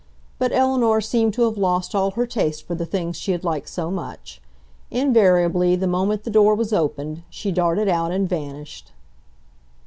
But Eleanor seemed to have lost all her taste for the things she had liked so much. Invariably, the moment the door was opened, she darted out and vanished.